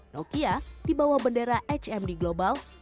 nokia di bawah bendera hmd global